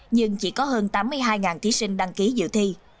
nhưng chỉ có hơn tám mươi hai thí sinh đăng ký dự thi